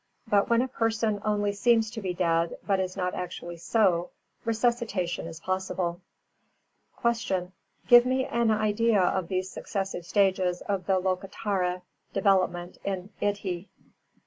But when a person only seems to be dead but is not actually so, resuscitation is possible. 375. Q. _Give me an idea of these successive stages of the Lokottara development in Iddhī?